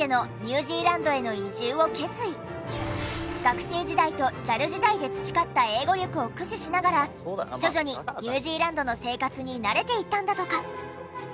学生時代とＪＡＬ時代で培った英語力を駆使しながら徐々にニュージーランドの生活に慣れていったんだとか。